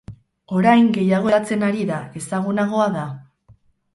Orain gehiago hedatzen ari da, ezagunagoa da.